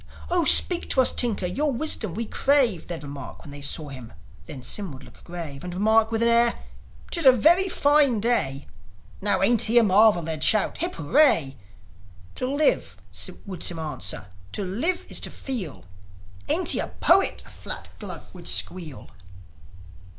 "0, speak to us, Tinker! Your wisdom we crave!" They'd cry when they saw him; then Sym would look grave, And remark, with an air, "'Tis a very fine day." "Now ain't he a marvel?" they'd shout. "Hip, Hooray!" "To live," would Sym answer, "To live is to feel!" "And ain't he a poet?" a fat Glug would squeal.